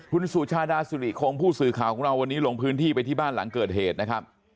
คุณสุชาดาสุริคงผู้สื่อข่าวของเราวันนี้ลงพื้นที่ไปที่บ้านหลังเกิดเหตุนะครับ